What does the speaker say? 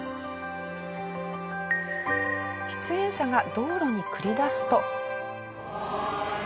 出演者が道路に繰り出すと。